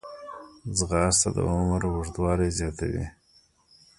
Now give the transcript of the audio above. ځغاسته د عمر اوږدوالی زیاتوي